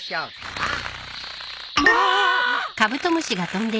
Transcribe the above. あっ。